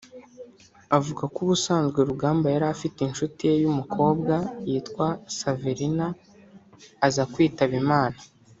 Avuga ko ubusanzwe Rugamba yari afite inshuti ye y’umukobwa yitwaga Saverina aza kwitaba Imana